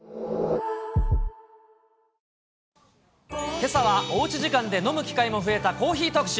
けさはおうち時間で飲む機会も増えたコーヒー特集。